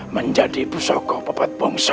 menjadi pusokopopat bungsol